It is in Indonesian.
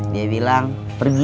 dia bilang pergi